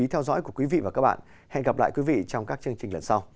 hẹn gặp lại quý vị trong các chương trình lần sau